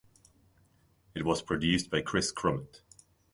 It was produced by Kris Crummett.